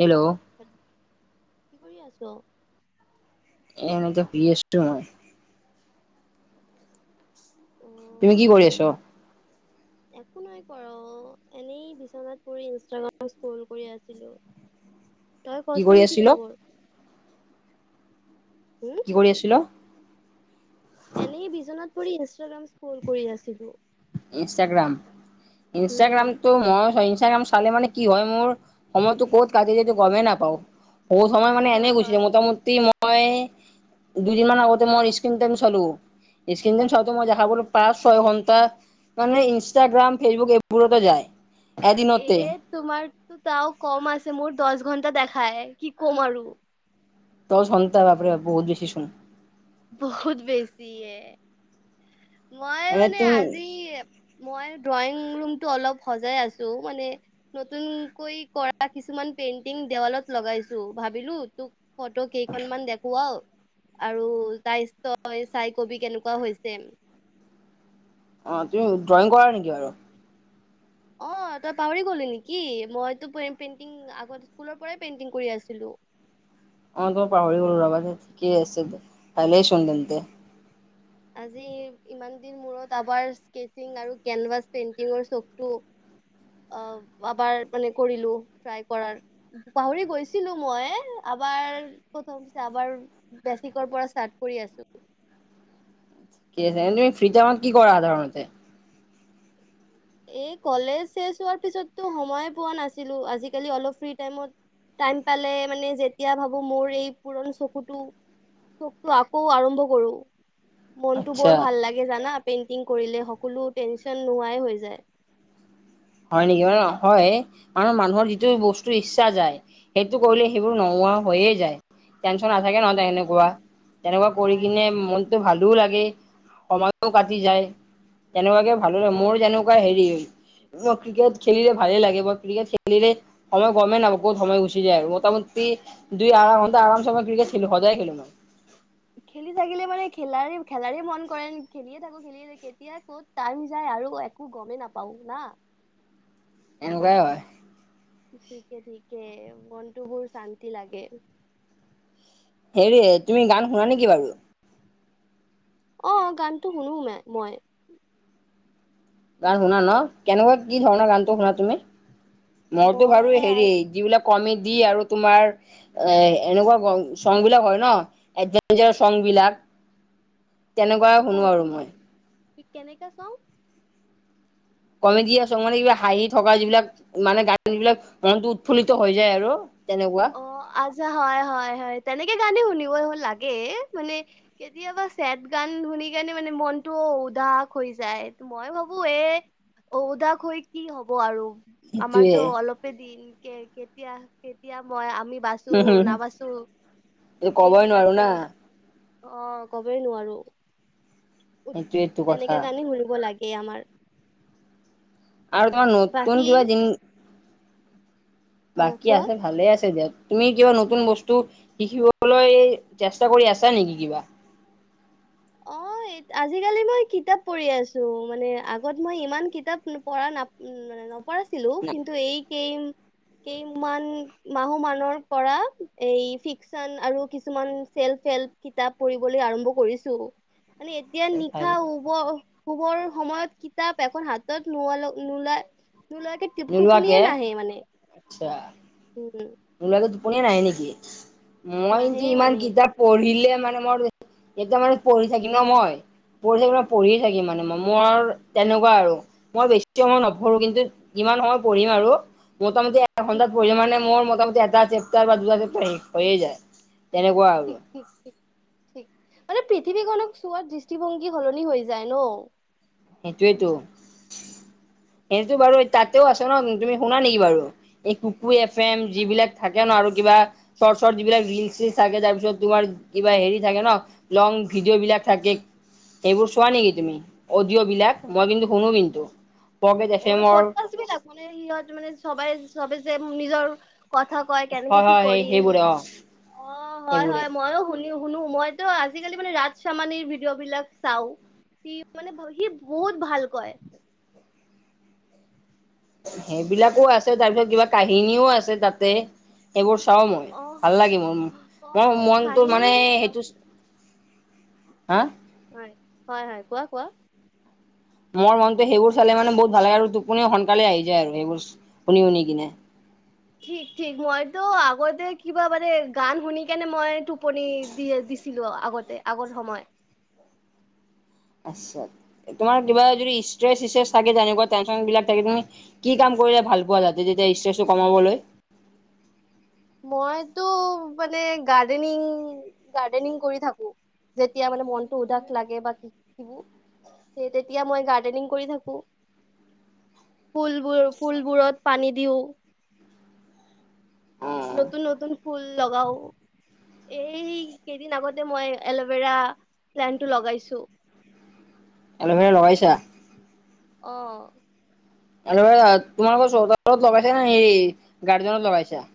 Hello. কি কৰি আছ? এনেকে শুই আছোঁ তো মই। তুমি কি অ'। কৰি আছ? [inaudible] একো নাই কৰা অ, এনেই বিচনাত পৰি ইনষ্টাগ্ৰামত ক্লৌল কৰি আছিলো। তই কৰি কচোন কি আছিলো খবৰ? হুম, কি কৰি আছিলো? এনেই বিচনাত পৰি ইনষ্টাগ্ৰাম স্কৌল কৰি আছিলো। ইনষ্টাগ্ৰাম, ইনষ্টাগ্ৰামটো হুম। মই সেই ইনষ্টাগ্ৰাম চালে মানে কি হয় মোৰ, সময়তো ক'ত কাটি যায় সেইটো গমেই নাপাওঁ। বহুত সময় মানে এনে গুনিলে, হয়। মোটামুটি মই দুদিনমান আগতে মোৰ স্ক্ৰীন টাইম চালো, স্ক্ৰীন টাইম চাওতে মই দেখা পালোঁ পাঁচ-ছয় ঘন্টা মানে ইনষ্টাগ্ৰাম, ফেচবুক এইবোৰতে যায়। এদিনতে এ তোমাৰ তাও কম আছে মোৰ দচ ঘন্টা দেখাই, কি ক'ম আৰু। দচ ঘণ্টা বাপৰে-বাপ বহুত বেছি চোন। বহুত বেছিয়ে। মই এনে মানে তুমি আজি, মই ড্ৰই‍ং ৰোমটো অলপ সজাই আছো, মানে নতুনকৈ কৰা কিছুমান পেইণ্টিং দেৱালত লগাইছো। ভাবিলো তোক ফটো কেইখনমান দেখুৱাও, আৰু তাইচ তই চাই কবি কেনেকুৱা হৈছে। অ', তুমি ড্ৰয়িং কৰা নিকি বাৰু? অ', তই পাহৰি গলি নিকি মইতো পে-পেইণ্টিং, আগৰ স্কুলৰ পৰাই পেইণ্টিং কৰি আছিলো। [inaudible] অ', তো পাহৰি গলো ৰবা দে, ঠিকেই আছে ভালেচোন তেন্তে আজি ইমান দিন মূৰত আবাৰ স্কেচিং আৰু কেনভাছ পেইন্টিঙৰ চকো অ, আবাৰ মানে কৰিলো ট্ৰাই কৰাৰ, পাহৰি গৈছিলো মই আ আমাৰ প্ৰথম আবাৰ বেচিকৰ পৰা ষ্টাৰ্ট কৰি আছো। কি হেৰি ফ্ৰী টাইমত কি কৰা সাধাৰণতে? এই কলেজ শেষ হোৱাৰ পিছতো সময় পোৱা নাছিলো, আজিকালি অলপ ফ্ৰী টাইমত টাইম পালে মানে যেতিয়া ভাবো মোৰ এই পুৰণি চকুটো চখটো আকৌ আৰম্ভ কৰো। মনতো আচ্ছা বৰ ভাল লাগে জানা, পেইন্টিং, কৰিলে, সকলো টেনচন নোহোৱাই হৈ যায়। হয় নেকি?, অ, হয় মানে মানুহৰ যিটো বস্তু ইচ্ছা যায়, সেইটো কৰিলে সেইবোৰ ন গৰম হৈয়ে যায়। টেনচন নাথাকে নহ, হয় তেনেকুৱা-তেনেকুৱা কৰি হয় কিনে হয় মনতো ভালো লাগে। সময়ো কাটি যায়, তেনেকুৱাকে ভালো হয়, মোৰ যেনেকুৱা হেৰি অ, ক্ৰিকেট খেলিলে ভালে লাগিব ক্ৰিকেট খেলিলে সময় গমেই নাপায়, ক'ত সময় গুচি যায় আৰু মোটামুটি। দুই আধা ঘণ্টা আৰমছে মই ক্ৰিকেট খেলো, সদায় খেলো মই। খেলি থাকিলে মানে খেলাৰে খেলাৰে মন কৰে খেলিয়ে থাকো, খেলিয়ে থাকো কেতিয়া ক'ত টাইম যায় আৰু একো গমেই নাপাওঁ, না [inaudible] এনেকুৱাই হয়। ঠিকে-ঠিকে, মনটো বহুত শান্তি লাগে। হেৰি তুমি গান শুনা নেকি বাৰু? অ, গানটো শুনোয়ে মই। গান শুনা ন, কেনেকুৱা কি ধৰণৰ গানটো শুনা তুমি? মইতো বাৰু মই হেৰি আজ যিবিলাক কমেডী আৰু তোমাৰ এনেকুৱা চচঙ বিলাক হয় ন, এই যে চচঙ বিলাক [inaudible] তেনেকুৱাই শুনো আৰু মই। ত কেনেকে চং? কমেডি আছে, মানে কিবা হাঁহি থকা যিবিলাক মানে গান যিবিলাক মনটো উৎফুল্লিত হৈ যায় আৰু। তেনেকুৱা অ আচ্ছা [unintelligible] হয় হয় হয় তেনেকে গানে শুনি লাগে, মানে কেতিয়াবা চেদ গান শুনি কেনে মানে মনতটো উদাস যাই, মই ভাবো এ উদাস হৈ কি হব আৰু। সেইটোয়ে আমাৰতো অলপে দিন কে কেতিয়া কেতিয়া মই আমি বাচো হম হম। নাবাচো ক'বই নোৱাৰো না এইবিলাকে। অ কবই নোৱাৰো। সেইটোয়েটো কথা তেনেকে কাৰণেই শুনিব লাগে আমাৰ। আৰু তোমাৰ বাকী নতুন কিবা জ- অ', বাকী কোৱা। আছে ভালে আছে দিয়ক। তুমি কিবা নতুন বস্তু শিকিবলৈ চেষ্টা কৰি আছা নেকি কিবা? অ। আজিকালি মই কিতাপ পঢ়ি আছো, মানে আগত মই ইমান কিতাপ পঢ়া নপ মানে। কৰাছিলো। কিন্তু এইকেই কেই মাহ মানৰ পৰা এই ফিকচন আৰু কিছুমান চেল ফেল কিতাপ পঢ়িবলৈ আৰম্ভ কৰিছো। মানে এতিয়া নিশা উব- শুবৰ সময়ত কিতাপ এখন হাতত নো নোলাই। নো লাকে টপ টোপনিয়ে নোলোৱাকে নাহে মানে উম। মোৰলে টোপনীয়া নাই নেকি। মই কিন্তু নাহে ইমান মানে কিতাপ পঢ়িলে মানে মোৰ- এতিয়া মানে পঢ়ি থাকিম মই, পঢ়ি থাকি মই পঢ়ি থাকিম মানে মই মোৰ তেনেকুৱা আৰু মই বেছি সময় নপঢ়ো, কিন্তু- ইমান সময় পঢ়িম আৰু- মোটামুটি ঠিক এঘণ্টাত পঢ়িল মানে মোৰ মোটামুটি এটা চেপতাৰ বা দুটা চেপতাৰ হৈয়ে যায়। তেনেকুৱা আৰু ঠিক ঠিক ঠিক। মানে পৃথিৱীখনক চোৱাৰ দৃষ্টিভংগী সলনি হৈ যায় ন। সেইটোৱেইটো। সেইটো বাৰু তাতেও আছে ন তুমি শুনা নেকি বাৰু এই কুকুৰ এপ- ফেম যিবিলাক থাকে ন, কিবা শৰ্ট শট যিবিলাক ৰিল থাকে, তাৰ পিছত তোমাৰ কিবা হেৰি থাকে ন লং ভিডিঅ' বিলাক থাকে। সেইবোৰ চোৱা নেকি তুমি অডিঅ' বিলাক? মই কিন্তু শুনো কিন্তু। পকেট এফ অ এমৰ পছ বিলাক মানে সিহঁত মানে চবে চবে যে নিজৰ- কথা কয়, কেনেকে হয় কি হয় সেই কৰিল, সেইবোৰে অ অ হয় সেইবোৰে হয় মইো শুনিও। শুনো মইতো আজিকালি মানে ৰাজ চামানিৰ ভিডিঅ' বিলাক চাও। সি মানে সি বহুত ভাল কয়। সেইবিলাকো আছে, তাৰপিছত কিবা কাহিনীও আছে তাতে। এইবোৰ চাও মই অ ভাল লাগি মোৰ অ মই মনটো মানে কাহিনী চাও। সেইটো হা? হয় হয় হয় কোৱা কোৱা? মোৰ মনটো সেইবোৰ চালে মানে বহুত ভাল লাগে আৰু টোপ সোনকালে আহি যায় আৰু সেইবোৰ শুনি শুনি কিনে। ঠিক ঠিক। মইতো আগতে কিবা মানে গান শুনি কেনে মই- টোপনি দি দিছিলো আগতে আগৰ সময়। আচ্ছা। তোমাৰ কিবা যদি ষ্ট্ৰে থাকে যেনেকুৱা টেন্যন বিলাক থাকে তুমি কি কাম- কৰিলে ভাল পোৱা যাতে তেতিয়া ষ্ট্ৰেটো কমাবলৈ? [inaudible] মইতো মানে গাৰ্ডেনিং গাৰ্ডেনিং কৰি থাকো। যেতিয়া মানে মনটো উদাস লাগে! বা- সেই তেতিয়া মই গাৰ্ডেনিং কৰি থাকো। ফুলবোৰ ফুলবোৰত পানী দিওঁ- অ নতুন নতুন ফুল লগাও এই কেইদিন আগতে মই এল'ভেৰা প্লেনটো লগাইছো। [unintelligible] এলোভেৰা লগাইছা- অ আৰু তোমালোকৰ চৌহতত লগাইছা নে এই গাৰ্ডেনত লগাইছা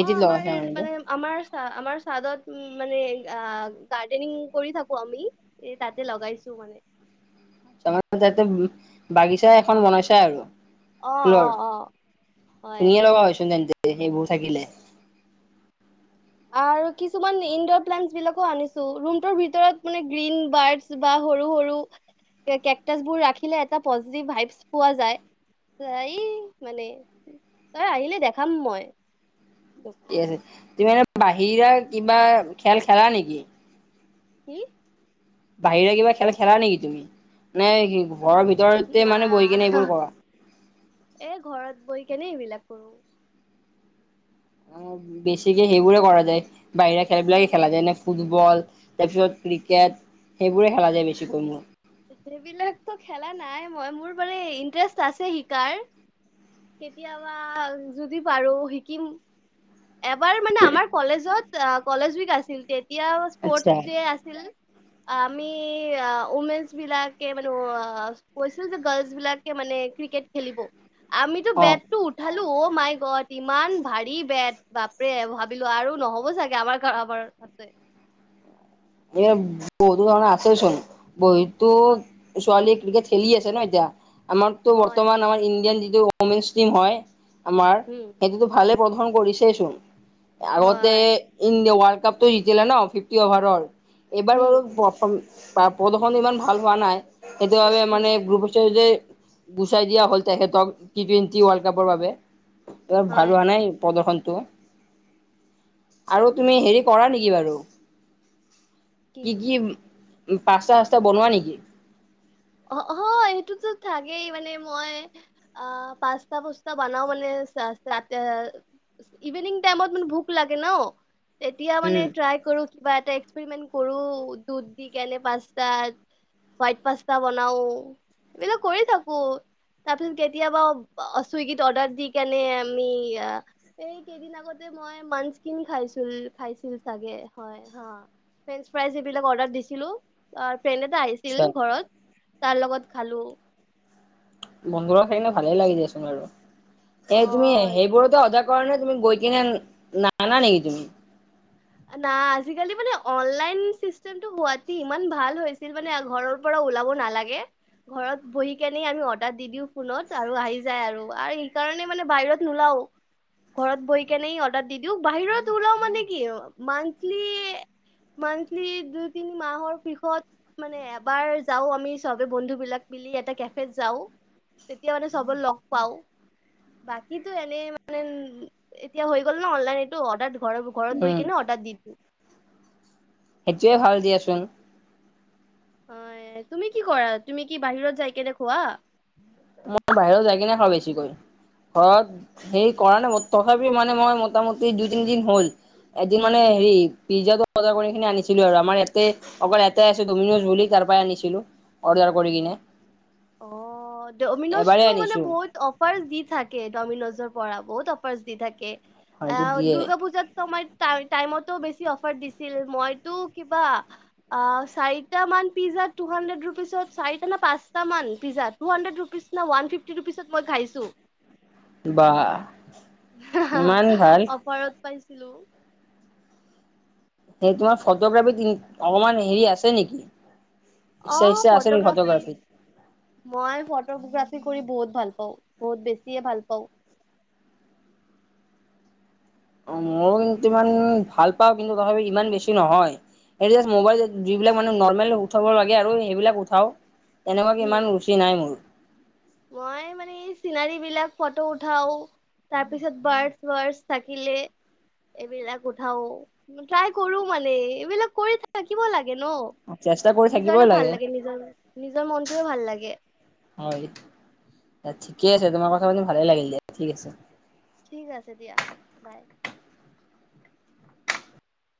অ আমাৰ লগাইছা এই এইটো মানে আমাৰ- চ আমাৰ চাদত উ মানে গাৰ্ডেনিং কৰি থাকো আমি এ তাতে লগাইছো মানে [unintelligible] তাৰমানে তাতে বাগিচা এখন বনাইছা আৰু অ অ ফুলৰ অ হয় ধুনিয়া লগা হয় চোন তেন্তে সেইবোৰ থাকিলে- আৰু কিছুমান ইনডৰ প্লেনছ বিলাকো আনিছো ৰোমটোৰ ভিতৰত গ্ৰিন ব্ৰাছ বা হ- সৰু সৰু কেকটাছ বোৰ ৰাখিলে এটা পজেটিভ ভাইচ পোৱা যায়। যায় মানে তই আহিলে দেখাম মই- তোক ঠিক আছে তুমি এনে বাহিৰা কিবা খেল খেলা নেকি কি? বাহিৰে কিবা খেল খেলা নেকি তুমি নে ঘৰৰ উম ভিতৰতে না মানে বহি কিনে এইবোৰ কৰা এ ঘৰত বহি কেনে এইবিলাক কৰো। [unintelligible] বেছিকে সেইবোৰে কৰা যায় বাহিৰা খেলবিলাকে খেলা যায় যেনে ফুটবল তাৰপিছত ক্ৰিকেট- সেইবোৰে খেলা যায় বেছিকৈ মোৰ সেইবিলাকতো খেলা নাই মই মোৰ বাৰু ইণ্টাৰেষ্ট আছে শিকাৰ- কেতিয়াবা যদি পাৰো শিকিম। এবাৰ মানে আমাৰ কলেজত কলেজ উইক আছিল তেতিয়া আচ্ছা স্পৰ্টছ ডে আছিল- আমি উমেন বিলাকে মানে কৈছিল যে। গাৰ্লছ বিলাক ক্ৰিকেট খেলিব আমিতো অ বেটটো উঠালো অ মাই গট ইমান ভাৰী বেট- বাপৰে ভাবিলো আৰু নহ'ব চাগে আমাৰ ঘাৰ হাতে এই বহুতো ধৰণৰ আছে চোন, বহুতো হয় ছোৱালীয়ে ক্ৰিকেট খেলি আছে ন এতিয়া আমাৰতো হয় বৰ্তমান আমাৰ ইণ্ডিয়ান যিটো উমেন্চ টিম হয় আমাৰ উম সেইটোতো ভালে প্ৰৰ্ফম কৰিছে চোন। ‌আগতে হয় ইনৱাক কাপটো জিকিলে ন ফিফটি অভাৰৰ, এইবাৰো উম প্ৰৰ্ফম প্ৰদৰ্শন ইমান ভাল হোৱা নাই সেইটোবাবে উম মানে গ্ৰুপচ যে গুচাই দিয়া হল তেখেতক টি টুৱেন্টি ৱৰ্ল্ড কাপৰ বাবে। ভাল হয় হোৱা নাই প্ৰদৰ্শনটো। আৰু ঠিক তুমি ঠিক হেৰি কৰা নেকি বাৰু? কি কি পাস্তা চাস্তা বনোৱা নেকি? অ অ সেইটোতো থাকেই মানে মই অ পাস্তা পোস্তা বনাবলে ৰা ইভিনিং টাইমত মানে ভোক লাগে ন তেতিয়া মানে উম ট্ৰাই কৰো। বা এটা এক্সপেৰিমেট কৰো দুধ দি কেনে পাস্তা হোৱাইট পা তা বনাও এইবিলাক কৰি থাকো। তাৰ পিছত কেতিয়াবা চুইগিত অৰ্ডাৰ দি কেনে আমি এই কেইদিন আগতে মই মাঞ্চ কিনি খাইছিল খাইছিল চাগে হয় হা ফ্ৰেঞ্চ ফ্ৰাইজ এইবিলাক অৰ্ডাৰ দিছিলো। ফ্ৰেণ্ড এটা আহিছিল আচ্ছা ঘৰত তাৰ লগত খালো বন্ধুৰ লগত খাই কিনে ভালে লাগে দিয়া চোন বাৰু। অ এ তুমি সেইবোৰতে অৰ্ডাৰ কৰা নে? তুমি গৈ কিনে নানা নেকি তুমি? না আজিকালি মানে অনলাইন চিষ্টেম টো গুৱাহাটী ইমান ভাল হৈছিল মানে ঘৰৰ পৰা ওলাব নালাগে ঘৰত বহি কেনে আমি অৰ্ডাৰ দি দিও ফোনত। আৰু আহি যায় আৰু আৰু সেইকাৰণে মানে বাহিৰত নোলাওঁ ঘৰত বহি কেনে অৰ্ডাৰ দি দিওঁ বাহিৰত ওলাও মানে কি অ মান্ঠলি মান্থলি দুই তিনি মাহৰ পিছত মানে এবাৰ যাওঁ আমি চবে বন্ধু বিলাক এ কেফেত যাওঁ তেতিয়া মানে চবৰ লগ পাওঁ। বাকীটো এনেই মানে এতিয়া হৈ গ'ল ন অনলাইন এইটো অৰ্ডাৰ ধৰ উম কিনো অৰ্ডাৰ দিবি সেইটোৱে ভাল দিয়াচোন অ তুমি কি কৰা তুমি কি বাহিৰত যাই কেনে খোৱা? মই বাহিৰৰ যাই কিনে খাওঁ বেছিকৈ। হয় সেই কৰা নাই, তথাপি মানে মই মোটামটি দুই তিনি দিন হ'ল। এদিন মানে হেৰি পিজ্জা বজাৰ কৰি কিনি আনিছিলো আৰু আমাৰ ইয়াতে অকল এটাই আছে ডমিনজ বুলি তাৰ পৰাই আনিছিলো অৰ্ডাৰ কৰি কিনে অ এবাৰেই ডমিনজটো মানে আনিছো বহুত অফাৰ দি থাকে ডমিনজৰ পৰা বহুত অফাৰ্চ দি থাকে। হয়তো আহ দিয়ে দুৰ্গা পূজাত, টাইমটো অফাৰ দিছিল, মইটো কিবা আ চাৰিটা মান পিজা টু হানড্ৰেড ৰুপিছত চাৰিটা নে পাঁচ কেইটাম পিজ্জা টু হাণ্ড্ৰেড ৰুপিজ নে ওৱান ফিফটি ৰুপচত মই খাইছোঁ। বাহ অফাৰত পাইছিলো। এ তোমাৰ ফটোগ্ৰাফী অকমান হেৰি আছে নেকি? অ ইচ্ছা ইচ্ছা আছে নেকি ফটোগ্ৰাফী ফটোগ্ৰাফীত? মই ফটোগ্ৰাফী ফুৰি বহুত ভাল পাওঁ। বহুত বেছিয়ে ভাল পাওঁ। অ মইয়ো কিন্তু ইমান ভাল পাওঁ কিন্তু তথাপি ইমান বেছি নহয়। মবাইল যিবিলাক মানে নৰ্মেল উঠাব লাগে আৰু সেইবিলাক উঠাওঁ। এনেকুৱাকে ইমান উম, ৰুচি নাই মোৰ মই মানে এই চিনাৰী বিলাক ফটো উঠাও। তাৰ পিছত বাৰছ ৱাৰছ থাকিলে এইবিলাক উঠাও ট্ৰাই কৰো মানে এইবিলাক কৰি থাকিব লাগে লাগে ন চেষ্টা কৰি থাকিবই নিজৰে ভাল লাগে নিজৰ নিজৰ মনটোৱে ভাল লাগে হয়। ঠিকে আছে তোমাৰ কথা পাতি ভালেই লাগিল দে ঠিক আছে ঠিক আছে দিয়া বাই